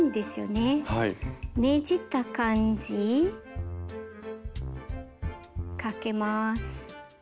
ねじった感じかけます。